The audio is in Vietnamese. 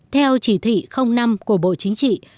theo chỉ thị năm của bộ chính trị